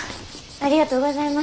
ありがとうございます。